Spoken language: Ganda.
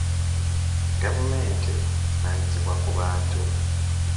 Gavumenti evunaanyizibwa ku bantu.